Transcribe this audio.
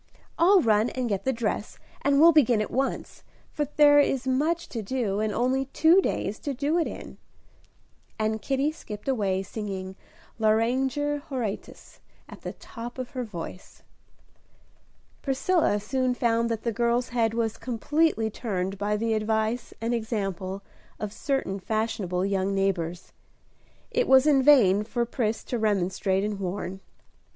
I'll run and get the dress, and we'll begin at once, for there is much to do, and only two days to do it in." And Kitty skipped away, singing "Lauriger Horatius," at the top of her voice. Priscilla soon found that the girl's head was completely turned by the advice and example of certain fashionable young neighbors. It was in vain for Pris to remonstrate and warn.